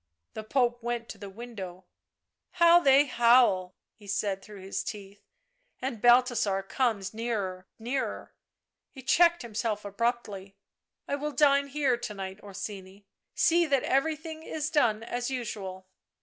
The Pope went to the window. " How they howl !" he said through his teeth, " and Balthasar comes nearer, nearer " He checked himself abruptly. " I will dine here to night, Orsini, see that everything is done as usual."